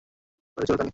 বাড়ি চলো, তানি।